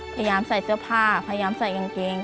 พยายามใส่เสื้อผ้าพยายามใส่กางเกง